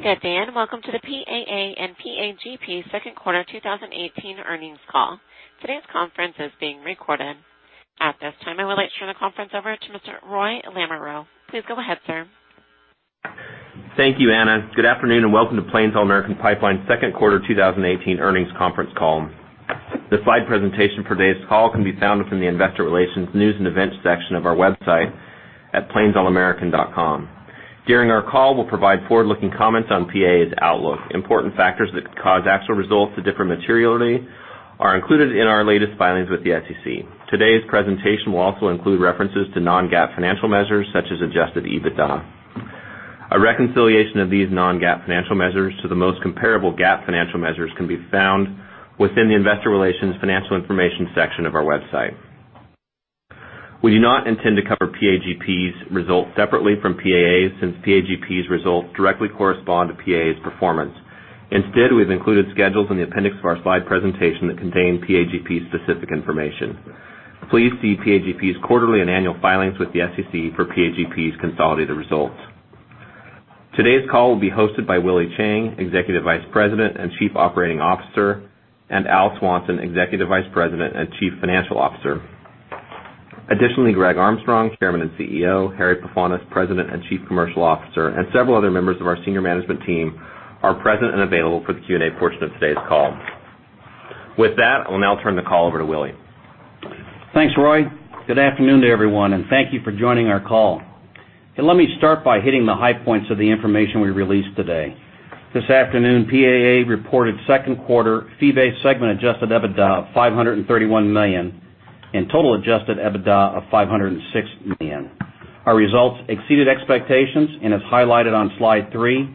Good day. Welcome to the PAA and PAGP second quarter 2018 earnings call. Today's conference is being recorded. At this time, I would like to turn the conference over to Mr. Roy Lamoreaux. Please go ahead, sir. Thank you, Anna. Good afternoon. Welcome to Plains All American Pipeline second quarter 2018 earnings conference call. The slide presentation for today's call can be found within the investor relations, news and events section of our website at plainsallamerican.com. During our call, we will provide forward-looking comments on PAA's outlook. Important factors that could cause actual results to differ materially are included in our latest filings with the SEC. Today's presentation will also include references to non-GAAP financial measures such as adjusted EBITDA. A reconciliation of these non-GAAP financial measures to the most comparable GAAP financial measures can be found within the investor relations financial information section of our website. We do not intend to cover PAGP's results separately from PAA's, since PAGP's results directly correspond to PAA's performance. Instead, we have included schedules in the appendix of our slide presentation that contain PAGP's specific information. Please see PAGP's quarterly and annual filings with the SEC for PAGP's consolidated results. Today's call will be hosted by Willie Chiang, Executive Vice President and Chief Operating Officer, and Al Swanson, Executive Vice President and Chief Financial Officer. Additionally, Greg Armstrong, Chairman and CEO, Harry Pefanis, President and Chief Commercial Officer, and several other members of our senior management team are present and available for the Q&A portion of today's call. With that, I will now turn the call over to Willie. Thanks, Roy. Good afternoon to everyone. Thank you for joining our call. Let me start by hitting the high points of the information we released today. This afternoon, PAA reported second quarter fee-based segment adjusted EBITDA of $531 million and total adjusted EBITDA of $506 million. Our results exceeded expectations. As highlighted on slide three,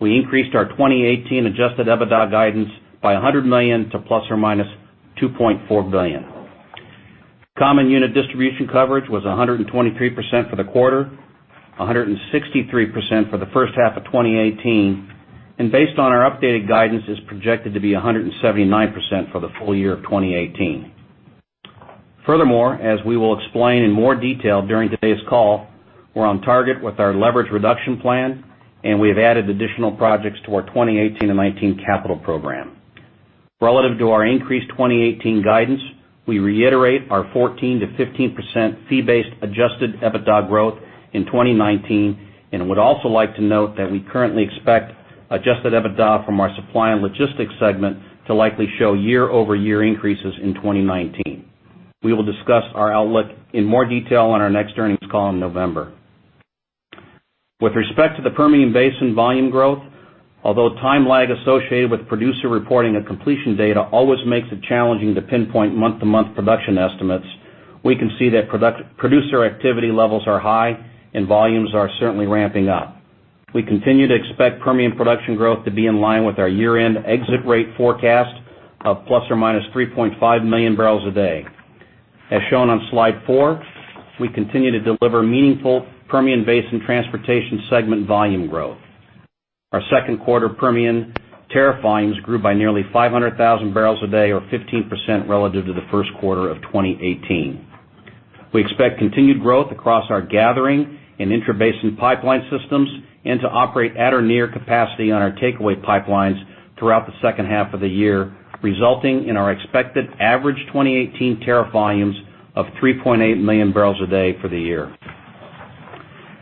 we increased our 2018 adjusted EBITDA guidance by $100 million to ±$2.4 billion. Common unit distribution coverage was 123% for the quarter, 163% for the first half of 2018. Based on our updated guidance, is projected to be 179% for the full year of 2018. Furthermore, as we will explain in more detail during today's call, we are on target with our leverage reduction plan. We have added additional projects to our 2018 and 2019 capital program. Relative to our increased 2018 guidance, we reiterate our 14%-15% fee-based adjusted EBITDA growth in 2019 and would also like to note that we currently expect adjusted EBITDA from our Supply and Logistics segment to likely show year-over-year increases in 2019. We will discuss our outlook in more detail on our next earnings call in November. With respect to the Permian Basin volume growth, although time lag associated with producer reporting and completion data always makes it challenging to pinpoint month-to-month production estimates, we can see that producer activity levels are high and volumes are certainly ramping up. We continue to expect Permian production growth to be in line with our year-end exit rate forecast of ±3.5 million barrels a day. As shown on slide four, we continue to deliver meaningful Permian Basin Transportation segment volume growth. Our second quarter Permian tariff volumes grew by nearly 500,000 barrels a day or 15% relative to the first quarter of 2018. We expect continued growth across our gathering and intrabasin pipeline systems and to operate at or near capacity on our takeaway pipelines throughout the second half of the year, resulting in our expected average 2018 tariff volumes of 3.8 million barrels a day for the year.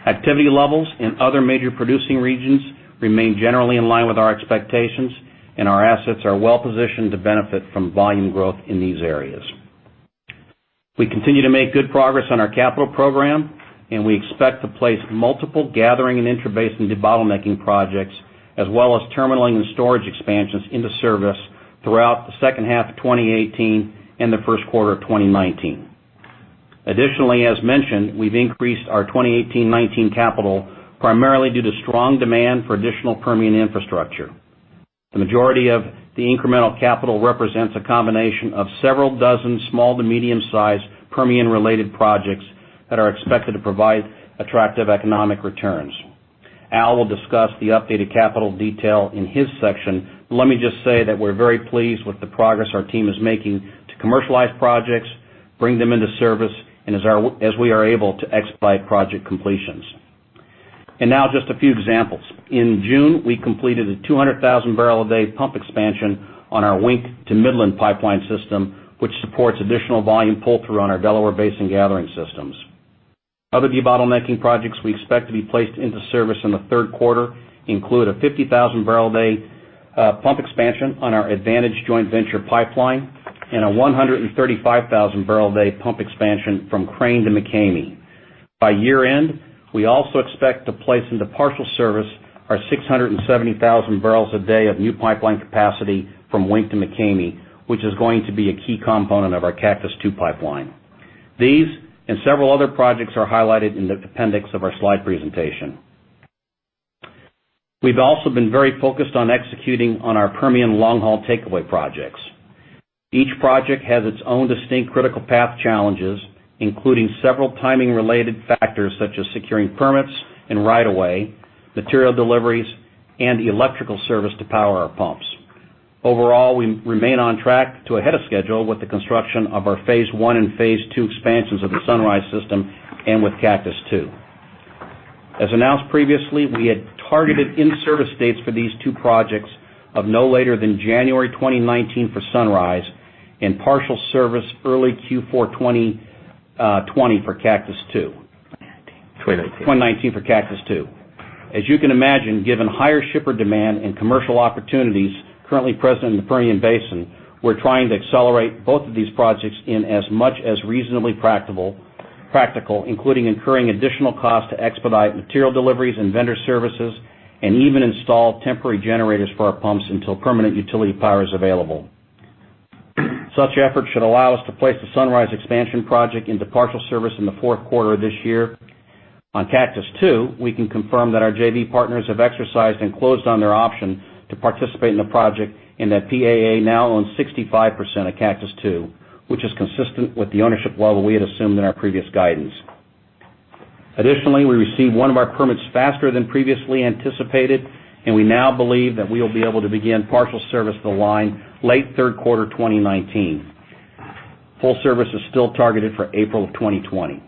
Activity levels in other major producing regions remain generally in line with our expectations. Our assets are well-positioned to benefit from volume growth in these areas. We continue to make good progress on our capital program, and we expect to place multiple gathering and intrabasin debottlenecking projects as well as terminaling and storage expansions into service throughout the second half of 2018 and the first quarter of 2019. Additionally, as mentioned, we've increased our 2018-'19 capital primarily due to strong demand for additional Permian infrastructure. The majority of the incremental capital represents a combination of several dozen small to medium-sized Permian-related projects that are expected to provide attractive economic returns. Al will discuss the updated capital detail in his section. Let me just say that we're very pleased with the progress our team is making to commercialize projects, bring them into service and as we are able to expedite project completions. Now just a few examples. In June, we completed a 200,000-barrel-a-day pump expansion on our Wink to Midland pipeline system, which supports additional volume pull-through on our Delaware Basin gathering systems. Other debottlenecking projects we expect to be placed into service in the third quarter include a 50,000-barrel-a-day pump expansion on our Advantage joint venture pipeline and a 135,000-barrel-a-day pump expansion from Crane to McCamey. By year-end, we also expect to place into partial service our 670,000 barrels a day of new pipeline capacity from Wink to McCamey, which is going to be a key component of our Cactus II pipeline. These and several other projects are highlighted in the appendix of our slide presentation. We've also been very focused on executing on our Permian long-haul takeaway projects. Each project has its own distinct critical path challenges, including several timing-related factors such as securing permits and right of way, material deliveries, and the electrical service to power our pumps. Overall, we remain on track to ahead of schedule with the construction of our phase one and phase two expansions of the Sunrise System and with Cactus II. As announced previously, we had targeted in-service dates for these two projects of no later than January 2019 for Sunrise and partial service early Q4 2020 for Cactus II. 2019. 2019 for Cactus II. As you can imagine, given higher shipper demand and commercial opportunities currently present in the Permian Basin, we're trying to accelerate both of these projects in as much as reasonably practical, including incurring additional cost to expedite material deliveries and vendor services, and even install temporary generators for our pumps until permanent utility power is available. Such efforts should allow us to place the Sunrise expansion project into partial service in the fourth quarter of this year. On Cactus II, we can confirm that our JV partners have exercised and closed on their option to participate in the project and that PAA now owns 65% of Cactus II, which is consistent with the ownership level we had assumed in our previous guidance. We received one of our permits faster than previously anticipated, and we now believe that we will be able to begin partial service of the line late third quarter 2019. Full service is still targeted for April of 2020.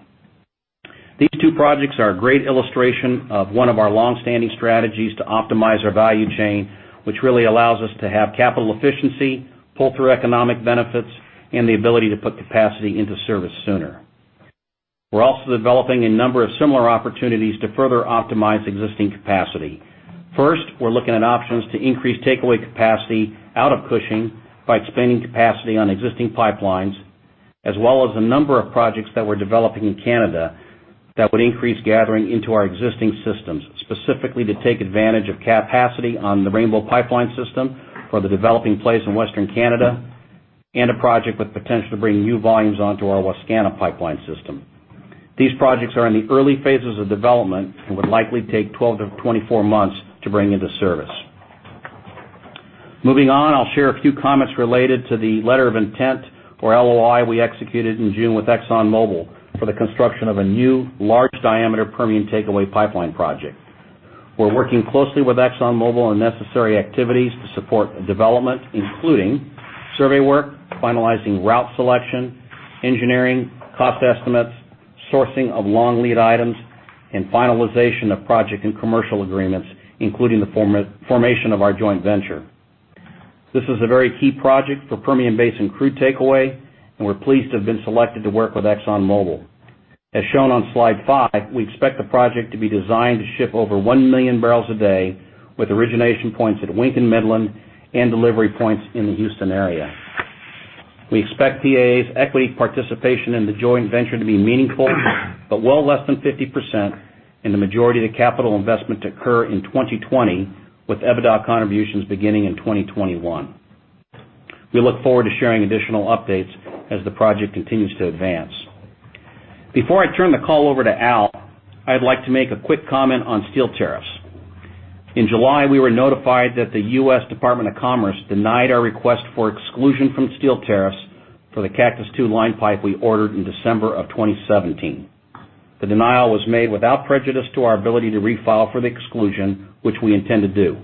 These two projects are a great illustration of one of our longstanding strategies to optimize our value chain, which really allows us to have capital efficiency, pull through economic benefits, and the ability to put capacity into service sooner. We're also developing a number of similar opportunities to further optimize existing capacity. First, we're looking at options to increase takeaway capacity out of Cushing by expanding capacity on existing pipelines, as well as a number of projects that we're developing in Canada that would increase gathering into our existing systems. Specifically, to take advantage of capacity on the Rainbow Pipeline system for the developing plays in Western Canada and a project with potential to bring new volumes onto our Wascana Pipeline system. These projects are in the early phases of development and would likely take 12 to 24 months to bring into service. Moving on, I'll share a few comments related to the letter of intent, or LOI, we executed in June with ExxonMobil for the construction of a new large-diameter Permian takeaway pipeline project. We're working closely with ExxonMobil on necessary activities to support development, including survey work, finalizing route selection, engineering, cost estimates, sourcing of long lead items, and finalization of project and commercial agreements, including the formation of our joint venture. This is a very key project for Permian Basin crude takeaway, and we're pleased to have been selected to work with ExxonMobil. As shown on slide five, we expect the project to be designed to ship over 1 million barrels a day with origination points at Wink and Midland and delivery points in the Houston area. We expect PAA's equity participation in the joint venture to be meaningful, but well less than 50% and the majority of the capital investment to occur in 2020, with EBITDA contributions beginning in 2021. We look forward to sharing additional updates as the project continues to advance. Before I turn the call over to Al, I'd like to make a quick comment on steel tariffs. In July, we were notified that the U.S. Department of Commerce denied our request for exclusion from steel tariffs for the Cactus II line pipe we ordered in December of 2017. The denial was made without prejudice to our ability to refile for the exclusion, which we intend to do.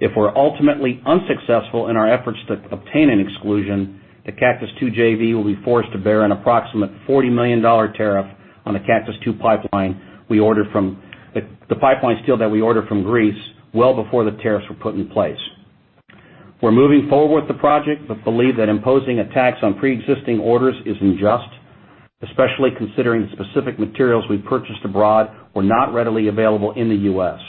If we're ultimately unsuccessful in our efforts to obtain an exclusion, the Cactus II JV will be forced to bear an approximate $40 million tariff on the Cactus II pipeline steel that we ordered from Greece well before the tariffs were put in place. We're moving forward with the project, but believe that imposing a tax on preexisting orders is unjust, especially considering the specific materials we purchased abroad were not readily available in the U.S.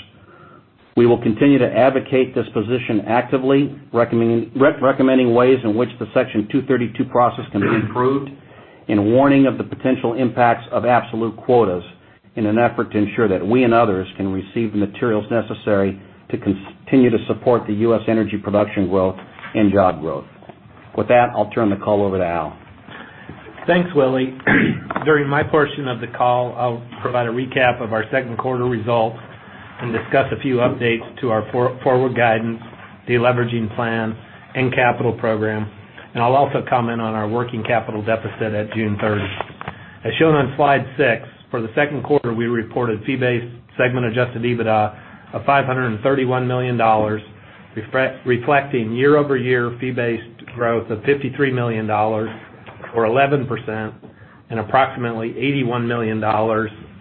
We will continue to advocate this position actively, recommending ways in which the Section 232 process can be improved and warning of the potential impacts of absolute quotas in an effort to ensure that we and others can receive the materials necessary to continue to support the U.S. energy production growth and job growth. With that, I'll turn the call over to Al. Thanks, Willie. During my portion of the call, I'll provide a recap of our second quarter results and discuss a few updates to our forward guidance, deleveraging plan, and capital program. I'll also comment on our working capital deficit at June 30th. As shown on slide six, for the second quarter, we reported fee-based segment adjusted EBITDA of $531 million, reflecting year-over-year fee-based growth of $53 million, or 11%, and approximately $81 million,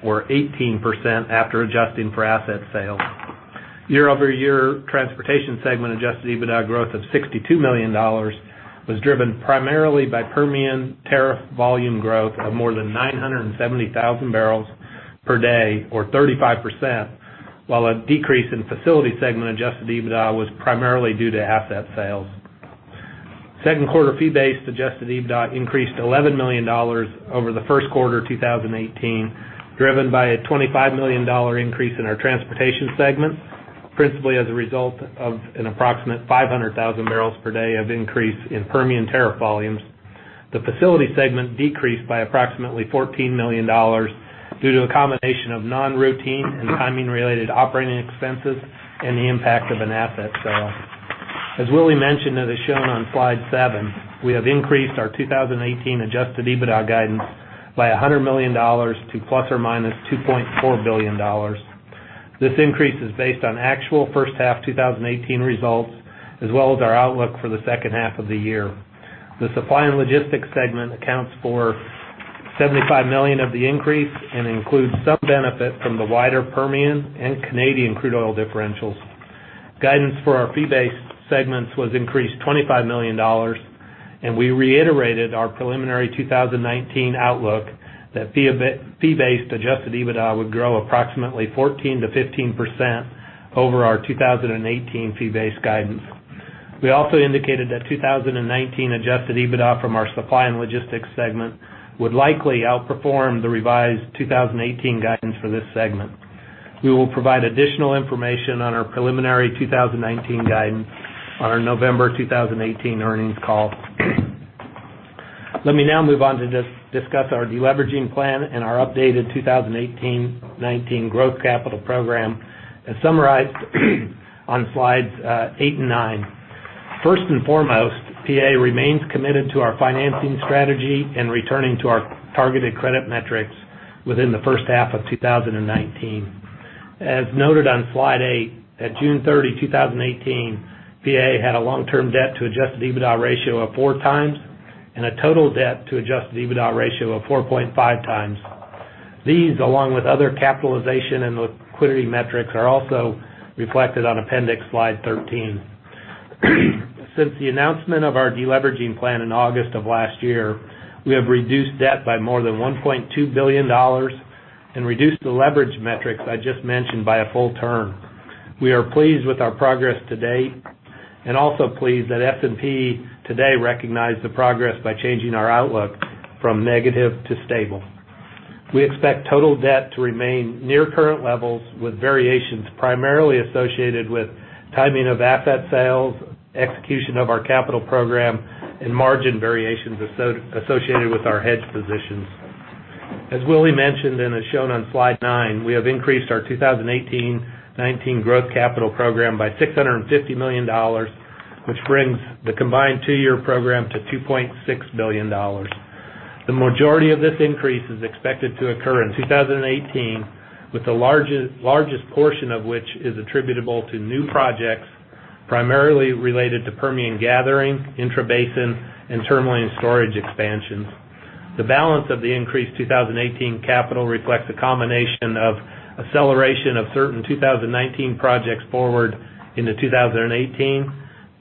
or 18% after adjusting for asset sales. Year-over-year transportation segment adjusted EBITDA growth of $62 million was driven primarily by Permian tariff volume growth of more than 970,000 barrels per day, or 35%, while a decrease in facility segment adjusted EBITDA was primarily due to asset sales. Second quarter fee-based adjusted EBITDA increased $11 million over the first quarter of 2018, driven by a $25 million increase in our transportation segment, principally as a result of an approximate 500,000 barrels per day of increase in Permian tariff volumes. The facility segment decreased by approximately $14 million due to a combination of non-routine and timing-related operating expenses and the impact of an asset sale. As Willie mentioned, as is shown on slide seven, we have increased our 2018 adjusted EBITDA guidance by $100 million to ±$2.4 billion. This increase is based on actual first half 2018 results, as well as our outlook for the second half of the year. The Supply and Logistics segment accounts for $75 million of the increase and includes some benefit from the wider Permian and Canadian crude oil differentials. Guidance for our fee-based segments was increased $25 million. We reiterated our preliminary 2019 outlook that fee-based adjusted EBITDA would grow approximately 14%-15% over our 2018 fee-based guidance. We also indicated that 2019 adjusted EBITDA from our supply and logistics segment would likely outperform the revised 2018 guidance for this segment. We will provide additional information on our preliminary 2019 guidance on our November 2018 earnings call. Let me now move on to discuss our de-leveraging plan and our updated 2018-19 growth capital program, as summarized on slides eight and nine. First and foremost, PAA remains committed to our financing strategy and returning to our targeted credit metrics within the first half of 2019. As noted on slide eight, at June 30, 2018, PAA had a long-term debt to adjusted EBITDA ratio of four times and a total debt to adjusted EBITDA ratio of 4.5 times. These, along with other capitalization and liquidity metrics, are also reflected on appendix slide 13. Since the announcement of our de-leveraging plan in August of last year, we have reduced debt by more than $1.2 billion and reduced the leverage metrics I just mentioned by a full term. We are pleased with our progress to date and also pleased that S&P today recognized the progress by changing our outlook from negative to stable. We expect total debt to remain near current levels, with variations primarily associated with timing of asset sales, execution of our capital program, and margin variations associated with our hedge positions. As Willie mentioned, as shown on slide nine, we have increased our 2018-19 growth capital program by $650 million, which brings the combined two-year program to $2.6 billion. The majority of this increase is expected to occur in 2018, with the largest portion of which is attributable to new projects, primarily related to Permian gathering, intrabasin, and terminalling storage expansions. The balance of the increased 2018 capital reflects a combination of acceleration of certain 2019 projects forward into 2018,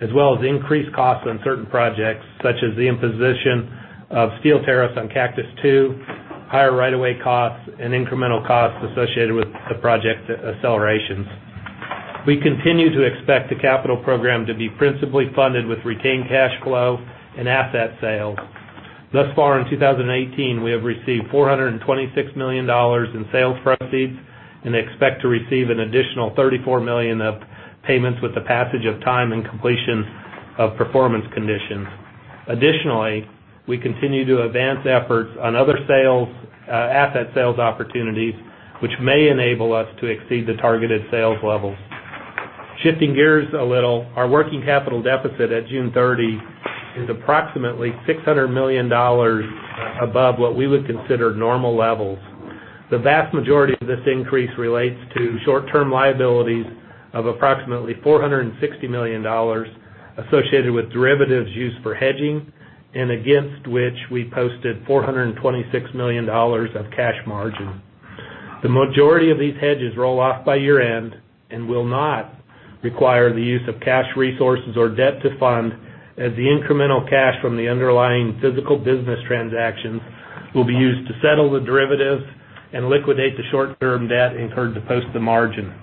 as well as increased costs on certain projects, such as the imposition of steel tariffs on Cactus II, higher right-of-way costs, and incremental costs associated with the project accelerations. We continue to expect the capital program to be principally funded with retained cash flow and asset sales. Thus far in 2018, we have received $426 million in sales proceeds and expect to receive an additional $34 million of payments with the passage of time and completion of performance conditions. We continue to advance efforts on other asset sales opportunities, which may enable us to exceed the targeted sales levels. Shifting gears a little, our working capital deficit at June 30 is approximately $600 million above what we would consider normal levels. The vast majority of this increase relates to short-term liabilities of approximately $460 million associated with derivatives used for hedging, and against which we posted $426 million of cash margin. The majority of these hedges roll off by year-end and will not require the use of cash resources or debt to fund, as the incremental cash from the underlying physical business transactions will be used to settle the derivative and liquidate the short-term debt incurred to post the margin.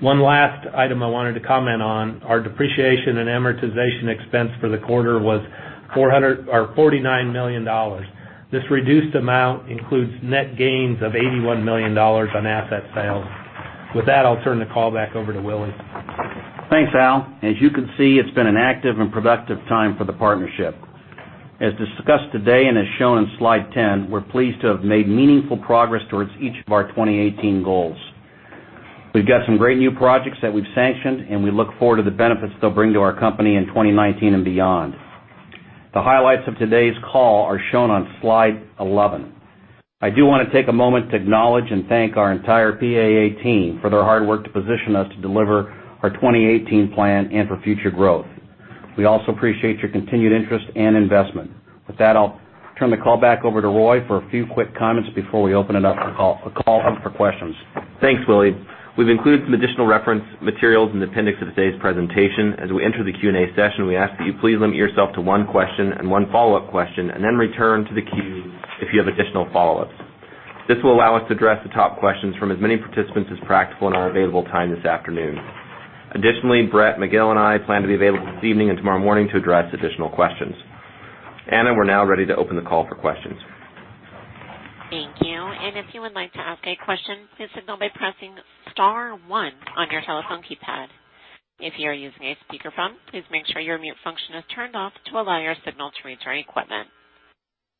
One last item I wanted to comment on, our depreciation and amortization expense for the quarter was $49 million. This reduced amount includes net gains of $81 million on asset sales. With that, I'll turn the call back over to Willie. Thanks, Al. As you can see, it's been an active and productive time for the partnership. As discussed today and as shown in slide 10, we're pleased to have made meaningful progress towards each of our 2018 goals. We've got some great new projects that we've sanctioned, and we look forward to the benefits they'll bring to our company in 2019 and beyond. The highlights of today's call are shown on slide 11. I do want to take a moment to acknowledge and thank our entire PAA team for their hard work to position us to deliver our 2018 plan and for future growth. We also appreciate your continued interest and investment. With that, I'll turn the call back over to Roy for a few quick comments before we open it up for call for questions. Thanks, Willie. We've included some additional reference materials in the appendix of today's presentation. As we enter the Q&A session, we ask that you please limit yourself to one question and one follow-up question. Then return to the queue if you have additional follow-ups. This will allow us to address the top questions from as many participants as practical in our available time this afternoon. Additionally, Brett, Miguel, and I plan to be available this evening and tomorrow morning to address additional questions. Anna, we're now ready to open the call for questions. Thank you. If you would like to ask a question, please signal by pressing *1 on your telephone keypad. If you are using a speakerphone, please make sure your mute function is turned off to allow your signal to reach our equipment.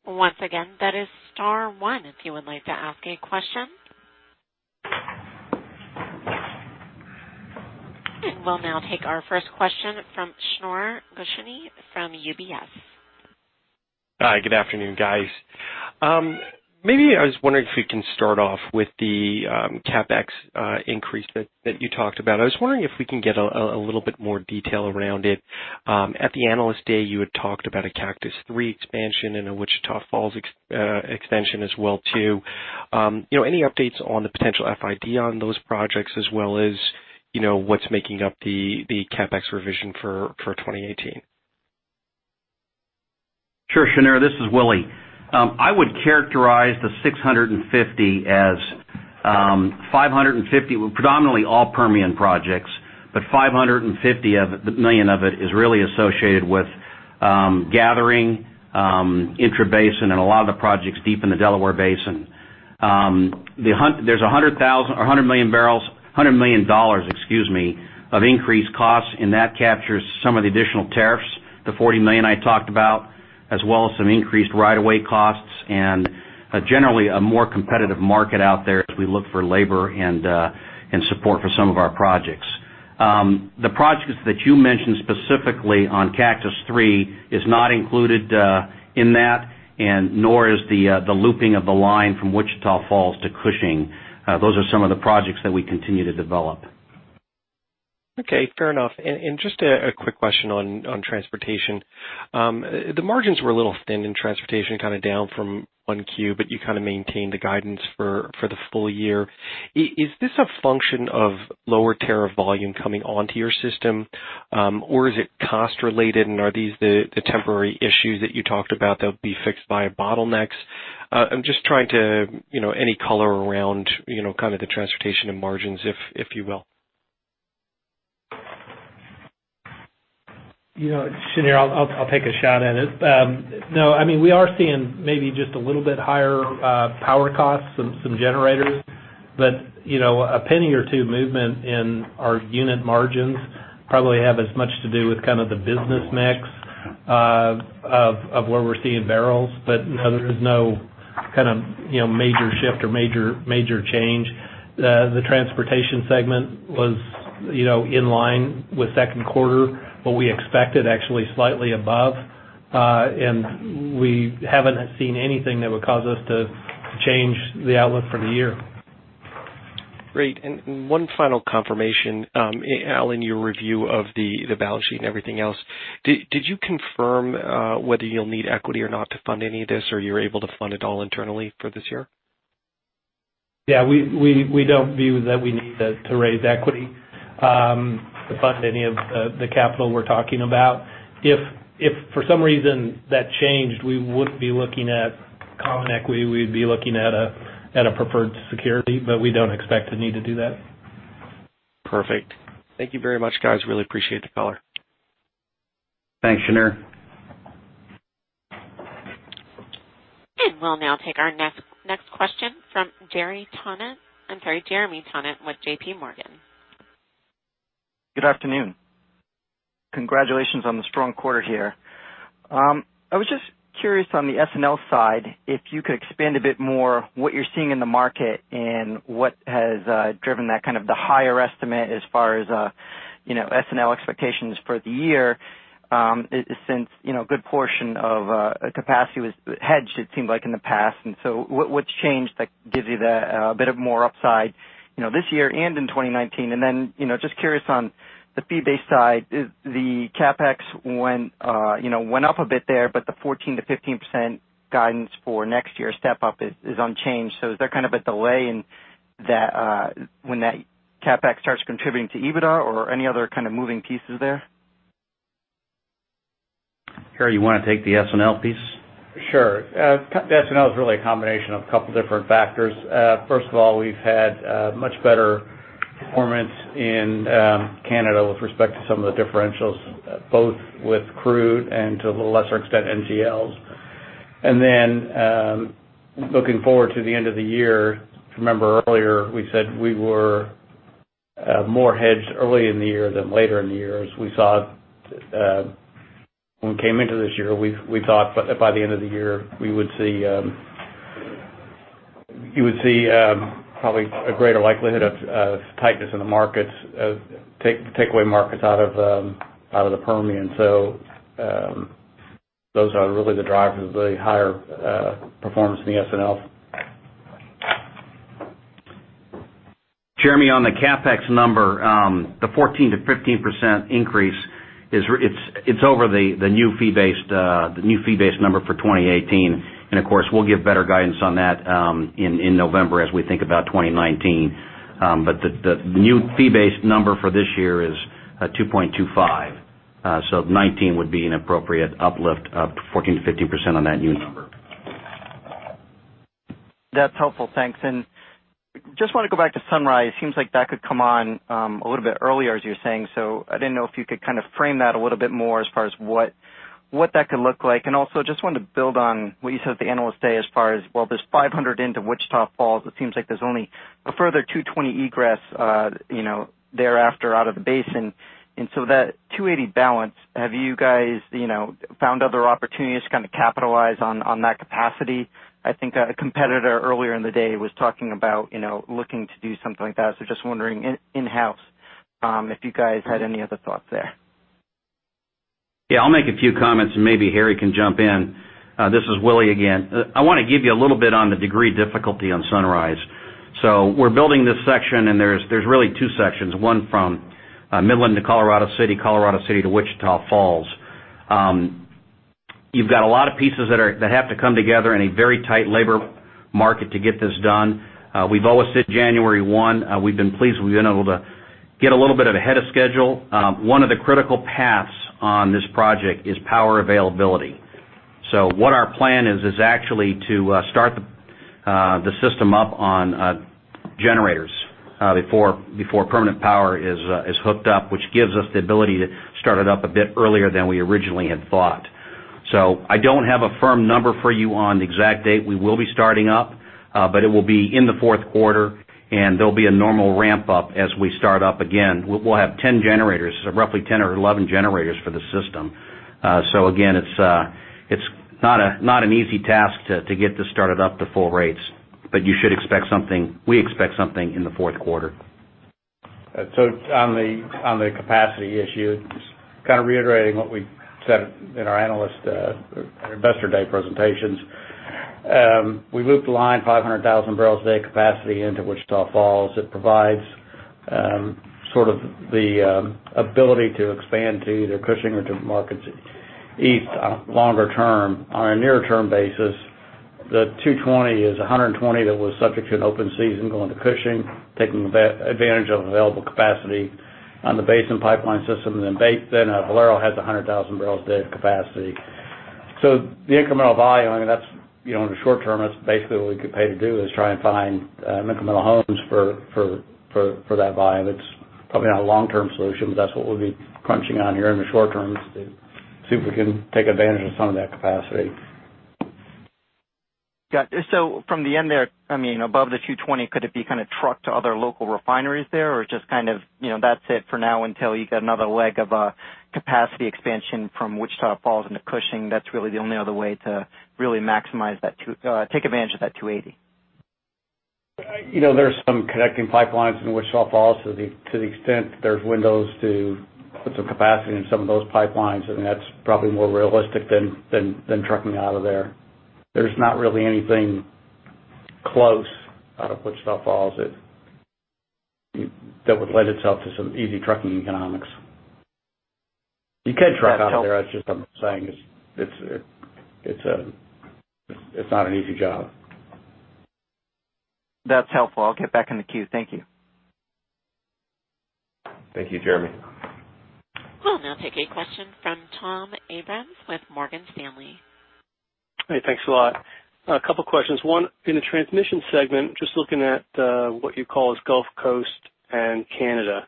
Once again, that is *1 if you would like to ask a question. We'll now take our first question from Shneur Gershuni from UBS. Hi. Good afternoon, guys. Maybe I was wondering if you can start off with the CapEx increase that you talked about. I was wondering if we can get a little bit more detail around it. At the Analyst Day, you had talked about a Cactus III expansion and a Wichita Falls extension as well too. Any updates on the potential FID on those projects as well as what's making up the CapEx revision for 2018? Sure, Shneur. This is Willie. I would characterize the $650 million as $550 million were predominantly all Permian projects, but $550 million of it is really associated with gathering intrabasin and a lot of the projects deep in the Delaware Basin. There's $100 million of increased costs. That captures some of the additional tariffs, the $40 million I talked about, as well as some increased right of way costs and generally a more competitive market out there as we look for labor and support for some of our projects. The projects that you mentioned specifically on Cactus III is not included in that. Nor is the looping of the line from Wichita Falls to Cushing. Those are some of the projects that we continue to develop. Okay. Fair enough. Just a quick question on transportation. The margins were a little thin in transportation, kind of down from Q1, but you kind of maintained the guidance for the full year. Is this a function of lower tariff volume coming onto your system? Is it cost related? Are these the temporary issues that you talked about that will be fixed by bottlenecks? Any color around kind of the transportation and margins, if you will. Shneur, I'll take a shot at it. No, we are seeing maybe just a little bit higher power costs, some generators. A penny or two movement in our unit margins probably have as much to do with kind of the business mix of where we're seeing barrels. There's no kind of major shift or major change. The transportation segment was in line with Q2, what we expected, actually slightly above. We haven't seen anything that would cause us to change the outlook for the year. Great. One final confirmation. Al, in your review of the balance sheet and everything else, did you confirm whether you'll need equity or not to fund any of this or you're able to fund it all internally for this year? Yeah, we don't view that we need to raise equity to fund any of the capital we're talking about. If for some reason that changed, we would be looking at common equity. We'd be looking at a preferred security, we don't expect to need to do that. Perfect. Thank you very much, guys. Really appreciate the color. Thanks, Shneur. We'll now take our next question from Jeremy Tonet with J.P. Morgan. Good afternoon. Congratulations on the strong quarter here. I was just curious on the S&L side, if you could expand a bit more what you're seeing in the market and what has driven that kind of the higher estimate as far as S&L expectations for the year since a good portion of capacity was hedged, it seemed like in the past. What's changed that gives you that a bit of more upside this year and in 2019? Then, just curious on the fee-based side, the CapEx went up a bit there, but the 14%-15% guidance for next year step-up is unchanged. Is there kind of a delay when that CapEx starts contributing to EBITDA or any other kind of moving pieces there? Jeremy, you want to take the S&L piece? Sure. S&L is really a combination of a couple different factors. First of all, we've had much better performance in Canada with respect to some of the differentials, both with crude and to a little lesser extent, NGLs. Then looking forward to the end of the year, if you remember earlier, we said we were more hedged early in the year than later in the year. When we came into this year, we thought by the end of the year we would see probably a greater likelihood of tightness in the markets, take away markets out of the Permian. Those are really the drivers of the higher performance in the S&L. Jeremy, on the CapEx number, the 14%-15% increase, it's over the new fee-based number for 2018. Of course, we'll give better guidance on that in November as we think about 2019. The new fee-based number for this year is $2.25. 2019 would be an appropriate uplift of 14%-15% on that new number. That's helpful. Thanks. Just want to go back to Sunrise. Seems like that could come on a little bit earlier as you were saying. I didn't know if you could kind of frame that a little bit more as far as what that could look like. Also just wanted to build on what you said at the Analyst Day as far as, well, there's 500 into Wichita Falls. It seems like there's only a further 220 egress thereafter out of the basin. That 280 balance, have you guys found other opportunities to kind of capitalize on that capacity? I think a competitor earlier in the day was talking about looking to do something like that. Just wondering in-house if you guys had any other thoughts there. Yeah, I'll make a few comments and maybe Harry can jump in. This is Willie again. I want to give you a little bit on the degree difficulty on Sunrise. We're building this section, and there's really two sections: one from Midland to Colorado City, Colorado City to Wichita Falls. You've got a lot of pieces that have to come together in a very tight labor market to get this done. We've always said January 1. We've been pleased we've been able to get a little bit of ahead of schedule. One of the critical paths on this project is power availability. What our plan is actually to start the system up on generators before permanent power is hooked up, which gives us the ability to start it up a bit earlier than we originally had thought. I don't have a firm number for you on the exact date we will be starting up, but it will be in the fourth quarter and there'll be a normal ramp up as we start up again. We'll have 10 generators, roughly 10 or 11 generators for the system. Again, it's not an easy task to get this started up to full rates. We expect something in the fourth quarter. On the capacity issue, just reiterating what we said in our analyst investor day presentations. We loop the line 500,000 barrels a day capacity into Wichita Falls. It provides the ability to expand to either Cushing or to markets east longer term. On a near term basis, the 220 is 120 that was subject to an open season going to Cushing, taking advantage of available capacity on the Basin Pipeline system. Valero has 100,000 barrels a day of capacity. The incremental volume, in the short term, basically what we get paid to do is try and find incremental homes for that volume. It's probably not a long-term solution, but that's what we'll be crunching on here in the short term to see if we can take advantage of some of that capacity. Got it. From the end there, above the 220, could it be trucked to other local refineries there? Just that's it for now until you get another leg of a capacity expansion from Wichita Falls into Cushing. That's really the only other way to really take advantage of that 280. There's some connecting pipelines in Wichita Falls to the extent there's windows to put some capacity in some of those pipelines, that's probably more realistic than trucking out of there. There's not really anything close out of Wichita Falls that would lend itself to some easy trucking economics. You could truck out there, it's just I'm saying it's not an easy job. That's helpful. I'll get back in the queue. Thank you. Thank you, Jeremy. We'll now take a question from Tom Abrams with Morgan Stanley. Hey, thanks a lot. A couple questions. One, in the transmission segment, just looking at what you call as Gulf Coast and Canada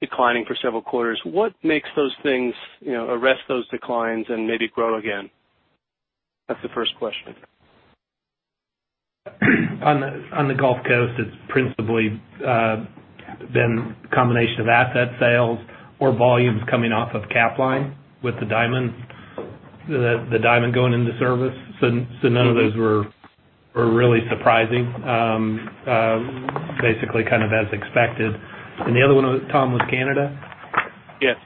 declining for several quarters. What makes those things arrest those declines and maybe grow again? That's the first question. On the Gulf Coast, it's principally been a combination of asset sales or volumes coming off of Capline with the Diamond going into service. None of those were really surprising. Basically as expected. The other one, Tom, was Canada? Yes.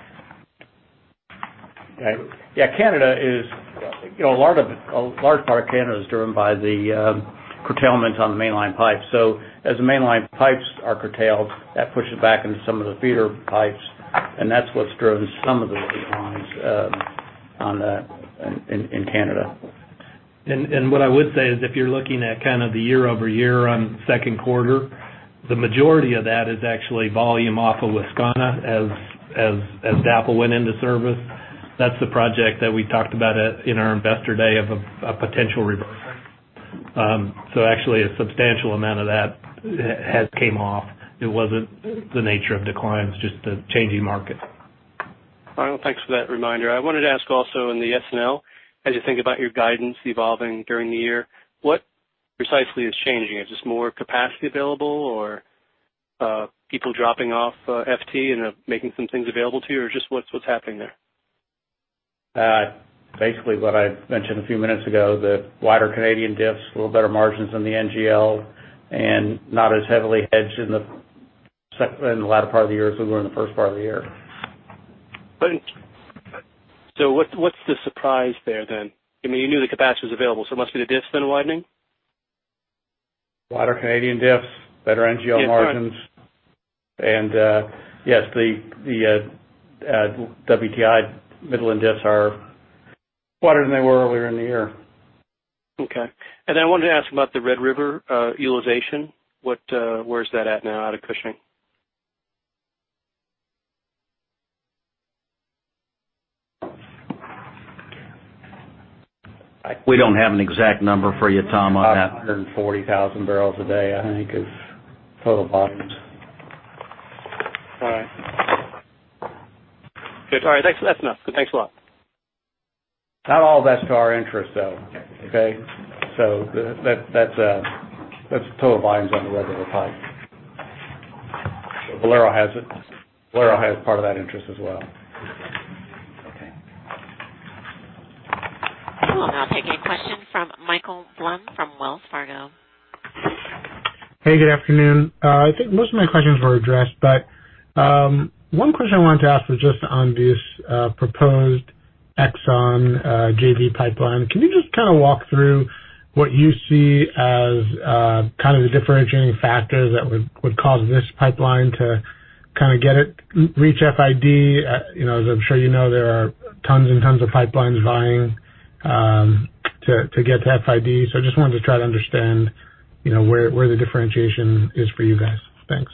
Yeah. A large part of Canada is driven by the curtailment on the mainline pipe. As the mainline pipes are curtailed, that pushes back into some of the feeder pipes, that's what's driven some of the declines in Canada. What I would say is if you're looking at the year-over-year on second quarter, the majority of that is actually volume off of Wascana as DAPL went into service. That's the project that we talked about in our investor day of a potential reversal. Actually a substantial amount of that has came off. It wasn't the nature of declines, just the changing market. All right. Well, thanks for that reminder. I wanted to ask also in the S&L, as you think about your guidance evolving during the year, what precisely is changing? Is this more capacity available or people dropping off FT and making some things available to you, or just what's happening there? Basically what I mentioned a few minutes ago, the wider Canadian diffs, a little better margins in the NGL and not as heavily hedged in the latter part of the year as we were in the first part of the year. What's the surprise there then? You knew the capacity was available, so it must be the diffs then widening? Wider Canadian diffs, better NGL margins. Yes. Yes, the WTI Midland diffs are wider than they were earlier in the year. Okay. I wanted to ask about the Red River utilization. Where's that at now out of Cushing? We don't have an exact number for you, Tom, on that. About 140,000 barrels a day, I think is total volumes. All right. Okay, sorry. That's enough. Thanks a lot. Not all that's to our interest, though. Okay? That's total volumes on the Red River pipe. Valero has part of that interest as well. Okay. We'll now take a question from Michael Blum from Wells Fargo. Hey, good afternoon. I think most of my questions were addressed, but one question I wanted to ask was just on this proposed Exxon JV pipeline. Can you just kind of walk through what you see as kind of the differentiating factors that would cause this pipeline to kind of reach FID? As I'm sure you know, there are tons and tons of pipelines vying to get to FID. I just wanted to try to understand where the differentiation is for you guys. Thanks.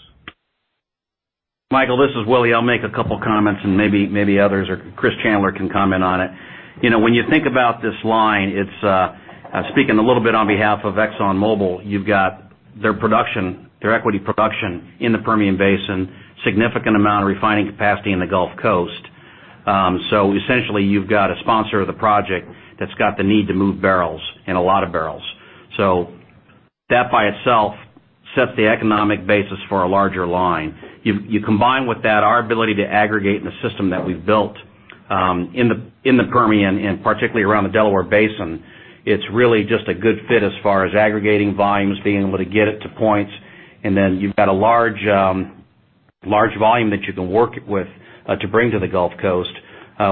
Michael, this is Willie. I'll make a couple comments and maybe others or Chris Chandler can comment on it. When you think about this line, speaking a little bit on behalf of ExxonMobil, you've got their equity production in the Permian Basin, significant amount of refining capacity in the Gulf Coast. Essentially you've got a sponsor of the project that's got the need to move barrels and a lot of barrels. You combine with that our ability to aggregate in the system that we've built in the Permian and particularly around the Delaware Basin. It's really just a good fit as far as aggregating volumes, being able to get it to points, and then you've got a large volume that you can work with to bring to the Gulf Coast,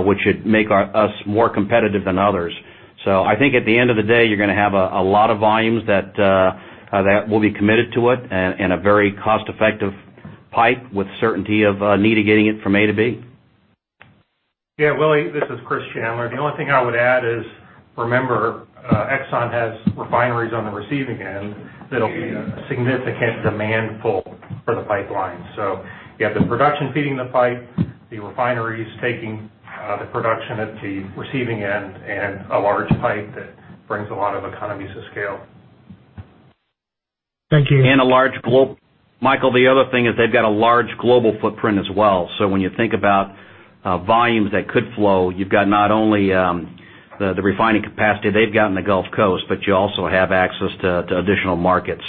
which should make us more competitive than others. I think at the end of the day, you're going to have a lot of volumes that will be committed to it and a very cost-effective pipe with certainty of need of getting it from A to B. Yeah, Willie, this is Chris Chandler. The only thing I would add is, remember, Exxon has refineries on the receiving end that'll be a significant demand pull for the pipeline. You have the production feeding the pipe, the refineries taking the production at the receiving end, and a large pipe that brings a lot of economies to scale. Thank you. Michael, the other thing is they've got a large global footprint as well. When you think about volumes that could flow, you've got not only the refining capacity they've got in the Gulf Coast, but you also have access to additional markets.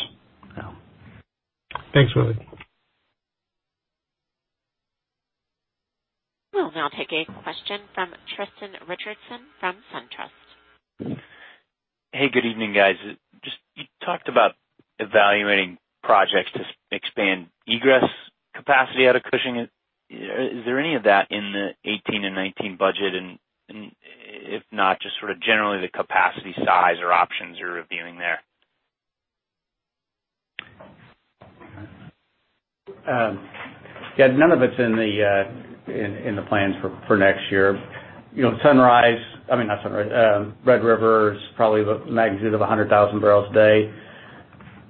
Thanks, Willie. We'll now take a question from Tristan Richardson from SunTrust. Hey, good evening, guys. You talked about evaluating projects to expand egress capacity out of Cushing. Is there any of that in the 2018 and 2019 budget? If not, just sort of generally the capacity size or options you're reviewing there? Yeah. None of it's in the plans for next year. Red River is probably the magnitude of 100,000 barrels a day.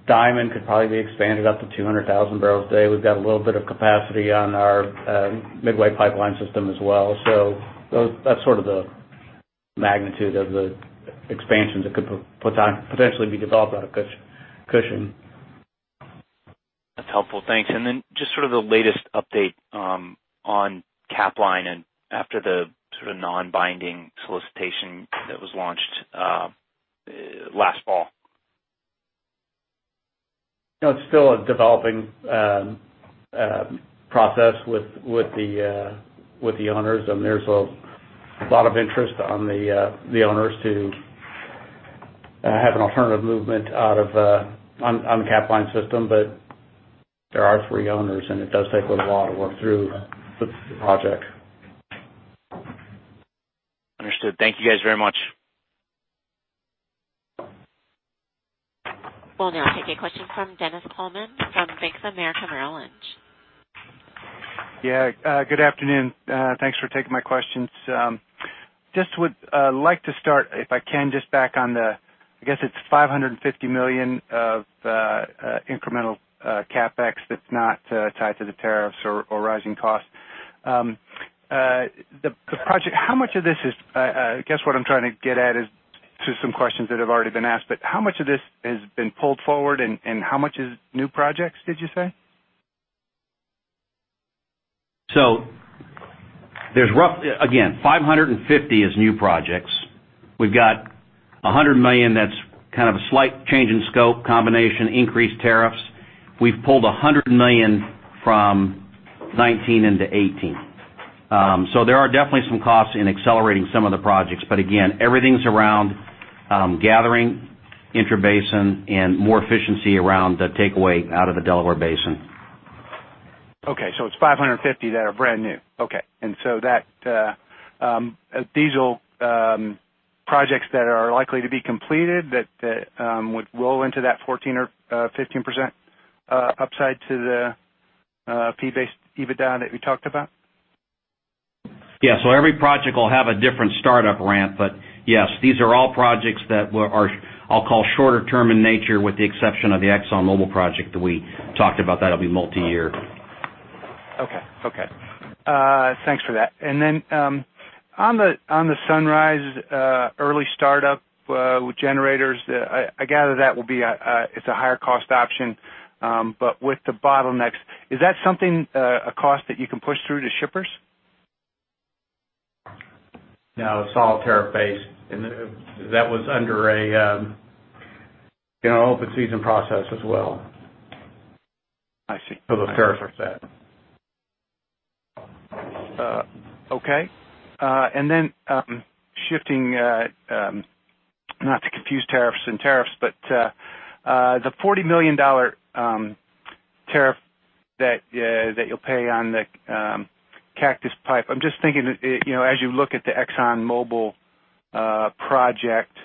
Diamond could probably be expanded up to 200,000 barrels a day. We've got a little bit of capacity on our Midway Pipeline system as well. That's sort of the magnitude of the expansions that could potentially be developed out of Cushing. That's helpful. Thanks. Then just sort of the latest update on Capline and after the sort of non-binding solicitation that was launched last fall. It's still a developing process with the owners. There's a lot of interest on the owners to have an alternative movement out on the Capline system. There are three owners, and it does take a little while to work through the project. Understood. Thank you guys very much. We'll now take a question from Dennis Coleman from Bank of America Merrill Lynch. Yeah. Good afternoon. Thanks for taking my questions. Just would like to start, if I can, just back on the, I guess it's $550 million of incremental CapEx that's not tied to the tariffs or rising costs. I guess what I'm trying to get at is to some questions that have already been asked, but how much of this has been pulled forward and how much is new projects, did you say? Again, 550 is new projects. We've got $100 million that's kind of a slight change in scope, combination, increased tariffs. We've pulled $100 million from 2019 into 2018. There are definitely some costs in accelerating some of the projects, but again, everything's around gathering intrabasin and more efficiency around the takeaway out of the Delaware Basin. Okay. It's 550 that are brand new. Okay. These are projects that are likely to be completed that would roll into that 14% or 15% upside to the fee-based EBITDA that we talked about? Yeah. Every project will have a different startup ramp, but yes, these are all projects that I'll call shorter term in nature with the exception of the ExxonMobil project that we talked about. That'll be multi-year. Okay. Thanks for that. On the Sunrise early startup with generators, I gather it's a higher cost option. With the bottlenecks, is that a cost that you can push through to shippers? No, it's all tariff-based. That was under an open season process as well. I see. Those tariffs are set. Okay. Shifting, not to confuse tariffs and tariffs, but the $40 million tariff that you'll pay on the Cactus pipe. I'm just thinking, as you look at the ExxonMobil project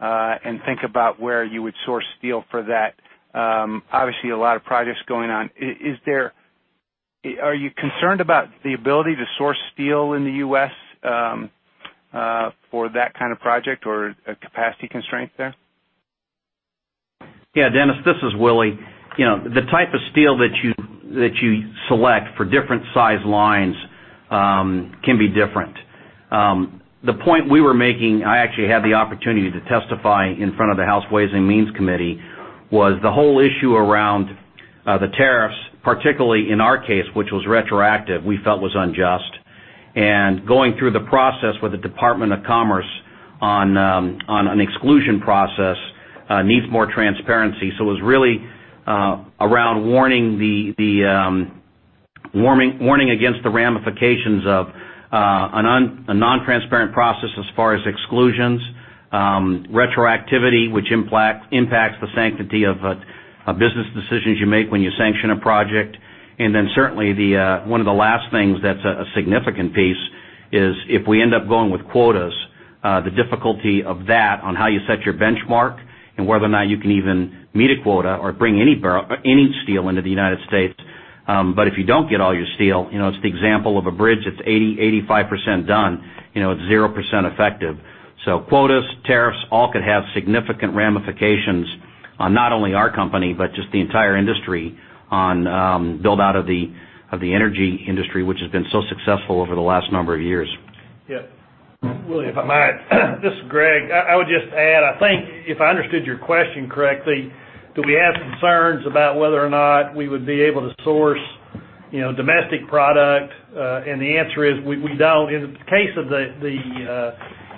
and think about where you would source steel for that, obviously a lot of projects going on. Are you concerned about the ability to source steel in the U.S. for that kind of project or a capacity constraint there? Yeah, Dennis, this is Willie. The type of steel that you select for different size lines can be different. The point we were making, I actually had the opportunity to testify in front of the House Ways and Means Committee, was the whole issue around the tariffs, particularly in our case, which was retroactive, we felt was unjust. Going through the process with the Department of Commerce on an exclusion process needs more transparency. It was really around warning against the ramifications of a non-transparent process as far as exclusions, retroactivity, which impacts the sanctity of business decisions you make when you sanction a project. Certainly one of the last things that's a significant piece is if we end up going with quotas, the difficulty of that on how you set your benchmark and whether or not you can even meet a quota or bring any steel into the United States. If you don't get all your steel, it's the example of a bridge that's 80, 85% done, it's 0% effective. Quotas, tariffs, all could have significant ramifications on not only our company, but just the entire industry on build-out of the energy industry, which has been so successful over the last number of years. Yeah. Willie, if I might. This is Greg. I would just add, I think if I understood your question correctly, do we have concerns about whether or not we would be able to source domestic product? The answer is, we don't. In the case of the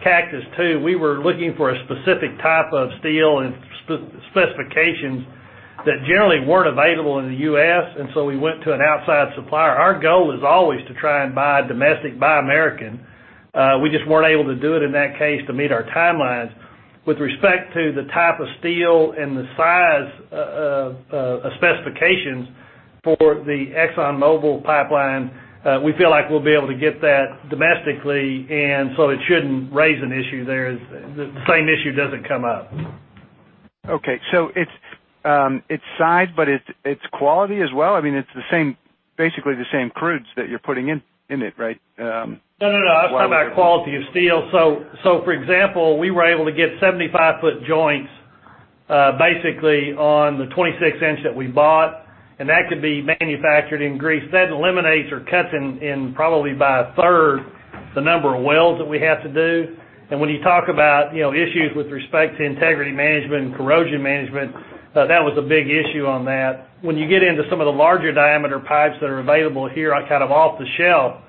Cactus II, we were looking for a specific type of steel and specifications that generally weren't available in the U.S., we went to an outside supplier. Our goal is always to try and buy domestic, buy American. We just weren't able to do it in that case to meet our timelines. With respect to the type of steel and the size of specifications for the ExxonMobil pipeline, we feel like we'll be able to get that domestically, it shouldn't raise an issue there. The same issue doesn't come up. Okay. It's size, but it's quality as well? It's basically the same crudes that you're putting in it, right? No, no. I was talking about quality of steel. For example, we were able to get 75-foot joints basically on the 26-inch that we bought, and that could be manufactured in Greece. That eliminates or cuts in probably by a third the number of welds that we have to do. When you talk about issues with respect to integrity management and corrosion management, that was a big issue on that. When you get into some of the larger diameter pipes that are available here off the shelf,